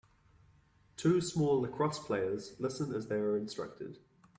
Two small lacrosse players listen as they are instructed